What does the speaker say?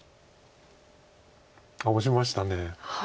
オシました。